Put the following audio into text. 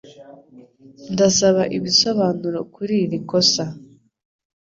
Ndasaba ibisobanuro kuri iri kosa.